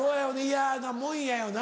嫌なもんやよな。